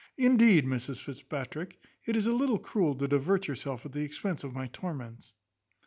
Indeed, Mrs Fitzpatrick, it is a little cruel to divert yourself at the expense of my torments."